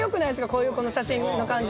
こういうこの写真の感じ。